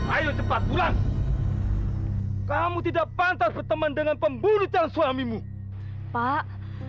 ayo cepat pulang kamu tidak pantas berteman dengan pemburu calon suamimu pak